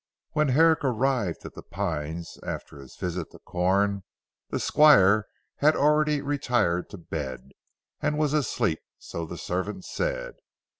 When Herrick arrived at "The Pines" after his visit to Corn, the Squire had already retired to bed, and was asleep, so the servant said.